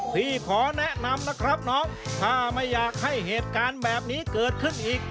พี่ขอแนะนำนะครับน้องถ้าไม่อยากให้เหตุการณ์แบบนี้เกิดขึ้นอีก